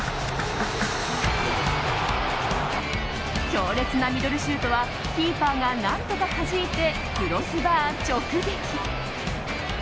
強烈なミドルシュートはキーパーが何とかはじいてクロスバー直撃。